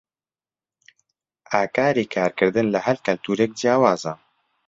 ئاکاری کارکردن لە هەر کولتوورێک جیاوازە.